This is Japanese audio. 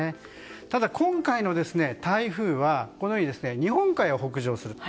ただ、今回の台風は日本海を北上すると。